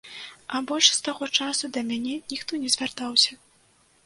А больш з таго часу да мяне ніхто не звяртаўся.